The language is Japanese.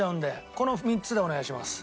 この３つでお願いします。